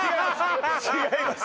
違います